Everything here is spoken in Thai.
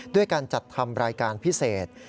ด้วยการจัดทำรายการพิเศษ